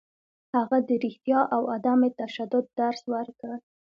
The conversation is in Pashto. هغه د رښتیا او عدم تشدد درس ورکړ.